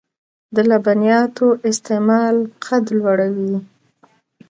د لبنیاتو استعمال قد لوړوي .